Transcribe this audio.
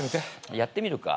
やってみるか。